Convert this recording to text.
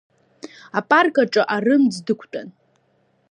Апарк аҿы арымӡ дықәтәан.